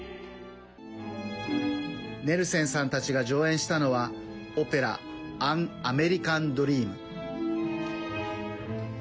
ネルセンさんたちが上演したのはオペラ「アン・アメリカン・ドリーム」。